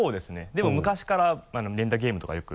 でも昔から連打ゲームとかよく。